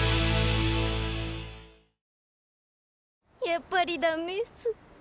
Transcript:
やっぱりダメっす。